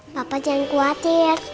papa jangan khawatir